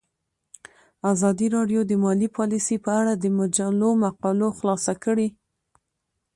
ازادي راډیو د مالي پالیسي په اړه د مجلو مقالو خلاصه کړې.